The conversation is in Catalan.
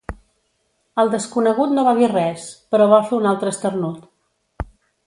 El desconegut no va dir res, però va fer un altre esternut.